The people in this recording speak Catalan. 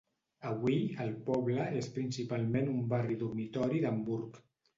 Avui, el poble és principalment un barri dormitori d'Hamburg.